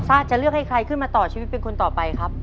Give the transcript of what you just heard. จะเลือกให้ใครขึ้นมาต่อชีวิตเป็นคนต่อไปครับ